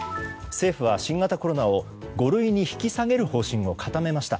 政府は、新型コロナを五類に引き下げる方針を固めました。